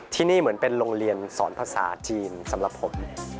ที่นี่เหมือนเป็นโรงเรียนสอนภาษาจีนสำหรับผม